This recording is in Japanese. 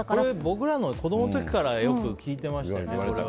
僕らも子供の時からよく言われましたね。